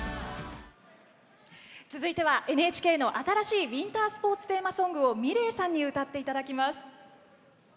続いてはＮＨＫの新しいウインタースポーツテーマソングをｍｉｌｅｔさんに歌っていただきます。